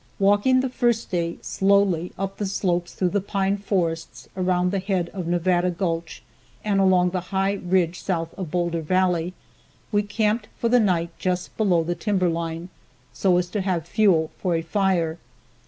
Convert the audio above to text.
Walking the first day slowly up the slopes through the pine forests, around the head of Nevada gulch, and along the high ridge south of Boulder valley, we camped for the night just below the timber line so as to have fuel for a fire.